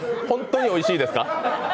本当においしいですか？